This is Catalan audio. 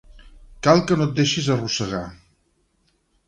Cal que no et deixis arrossegar.